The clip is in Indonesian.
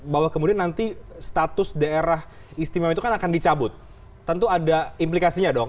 bahwa kemudian nanti status daerah istimewa itu kan akan dicabut tentu ada implikasinya dong